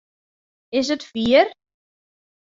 Is it fier?